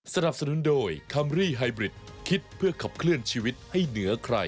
สนับสนุนโดยคัมรี่ไฮบริดคิดเพื่อขับเคลื่อนชีวิตให้เหนือใคร